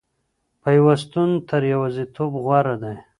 پيوستون تر يوازيتوب غوره دی.